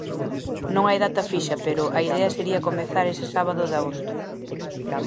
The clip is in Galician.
Non hai data fixa, pero a idea sería comezar ese sábado de agosto.